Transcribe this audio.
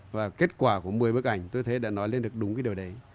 và kết quả của một mươi bức ảnh tôi thấy đã nói lên được đúng cái điều đấy